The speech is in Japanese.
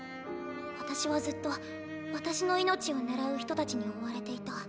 私はずっと私の命を狙う人たちに追われていた。